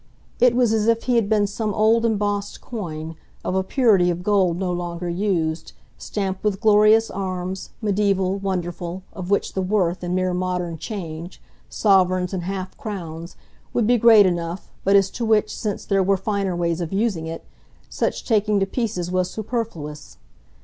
It was as if he had been some old embossed coin, of a purity of gold no longer used, stamped with glorious arms, mediaeval, wonderful, of which the "worth" in mere modern change, sovereigns and half crowns, would be great enough, but as to which, since there were finer ways of using it, such taking to pieces was superfluous.